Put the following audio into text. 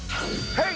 はい！